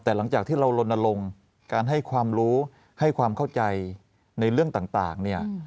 แต่หลังจากที่เราลนลงการให้ความรู้ให้ความเข้าใจในเรื่องต่างเนี่ย